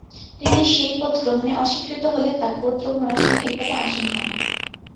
তিনি সেই পদ গ্রহণে অস্বীকৃত হলে তার পৌত্র ঘনশ্যাম এই পদে আসীন হন।